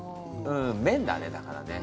めんだねだからね。